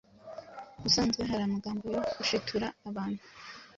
Ubusanzwe hari amagambo yo gushitura abantu